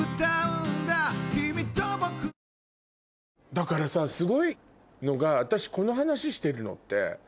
だからさすごいのが私この話してるのって。